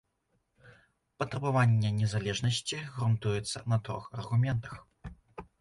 Патрабаванне незалежнасці грунтуецца на трох аргументах.